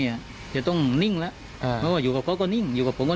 อยากต้องนิ่งไม่ว่าอยู่กับเขาก็นิ่ง